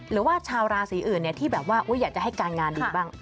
หรือว่าชาวราศีอื่นที่แบบว่าอยากจะให้การงานดีบ้าง